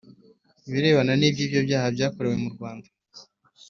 Ibirebana n’ iby ibyo byaha byakorewe mu Rwanda